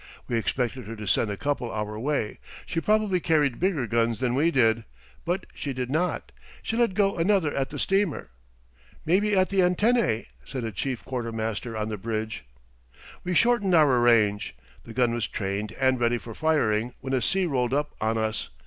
We expected her to send a couple our way she probably carried bigger guns than we did but she did not; she let go another at the steamer. "Maybe at the antennæ," said a chief quartermaster on the bridge. We shortened our range. The gun was trained and ready for firing when a sea rolled up on us.